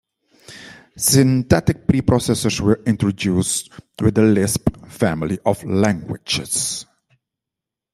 Syntactic preprocessors were introduced with the Lisp family of languages.